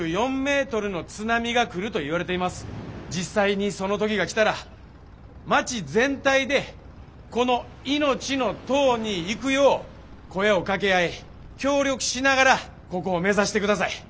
実際にその時が来たら町全体でこの命の塔に行くよう声をかけ合い協力しながらここを目指してください。